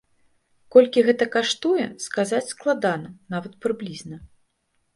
Колькі гэта каштуе, сказаць складана, нават прыблізна.